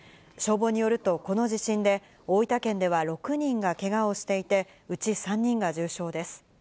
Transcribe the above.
消防によるとこの地震で大分県では６人がけがをしていて、うち３人が重傷です。